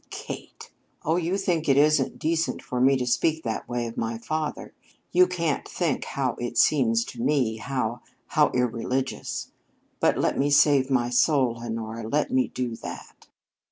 "Kate!" "Oh, you think it isn't decent for me to speak that way of my father! You can't think how it seems to me how how irreligious! But let me save my soul, Honora! Let me do that!"